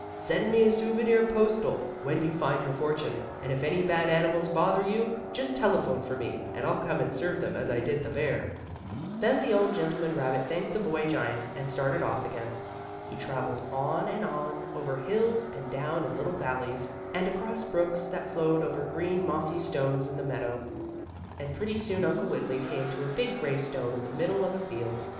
"Send me a souvenir postal when you find your fortune, and if any bad animals bother you, just telephone for me, and I'll come and serve them as I did the bear." Then the old gentleman rabbit thanked the boy giant, and started off again. He traveled on and on, over hills and down in little valleys, and across brooks that flowed over green mossy stones in the meadow, and pretty soon Uncle Wiggily came to a big gray stone in the middle of a field.